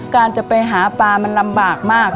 จะไปหาปลามันลำบากมาก